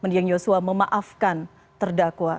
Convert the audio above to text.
menyanyi yosua memaafkan terdakwa